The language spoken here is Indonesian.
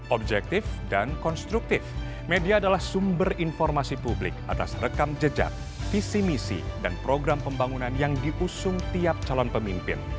objektif dan konstruktif media adalah sumber informasi publik atas rekam jejak visi misi dan program pembangunan yang diusung tiap calon pemimpin